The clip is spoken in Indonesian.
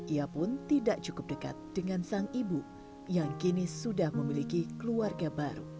ia pun tidak cukup dekat dengan sang ibu yang kini sudah memiliki keluarga baru